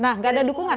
nah nggak ada dukungan